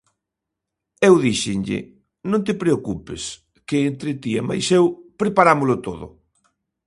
Eu díxenlle: non te preocupes, que entre ti e mais eu preparámolo todo.